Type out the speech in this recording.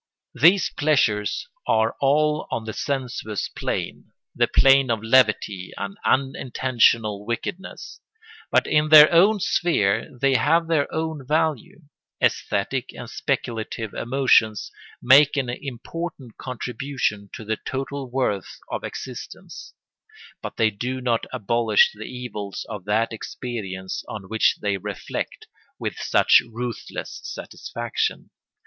These pleasures are all on the sensuous plane, the plane of levity and unintentional wickedness; but in their own sphere they have their own value. Æsthetic and speculative emotions make an important contribution to the total worth of existence, but they do not abolish the evils of that experience on which they reflect with such ruthless satisfaction.